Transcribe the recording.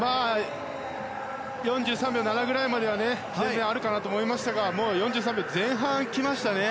４３秒７ぐらいまでは全然あるかなと思いましたがもう４３秒前半きましたね。